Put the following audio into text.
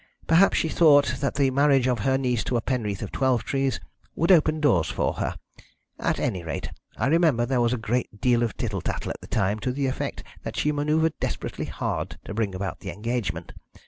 Perhaps she thought that the marriage of her niece to a Penreath of Twelvetrees would open doors for her. At any rate, I remember there was a great deal of tittle tattle at the time to the effect that she manoeuvred desperately hard to bring about the engagement.